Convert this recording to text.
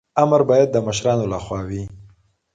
امر باید د مشرانو لخوا وي.